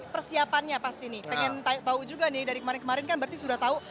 persiapannya pasti nih pengen tahu juga nih dari kemarin kemarin kan berarti sudah tahu